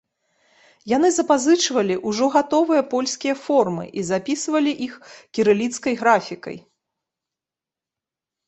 Яны запазычвалі ўжо гатовыя польскія формы і запісвалі іх кірыліцкай графікай.